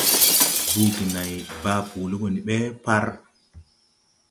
Buugi nãy baa boole go ni ɓe par.